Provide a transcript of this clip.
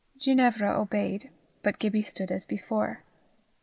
Ginevra obeyed, but Gibbie stood as before.